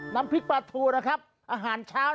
เกิดไม่ทันอ่ะ